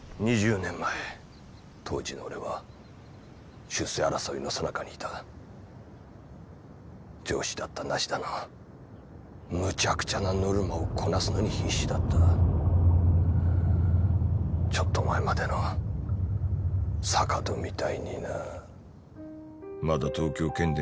２０年前当時の俺は出世争いのさなかにいた上司だった梨田のむちゃくちゃなノルマをこなすのに必死だったちょっと前までの坂戸みたいになまだ東京建